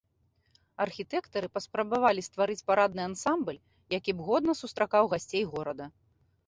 Архітэктары паспрабавалі стварыць парадны ансамбль, які б годна сустракаў гасцей горада.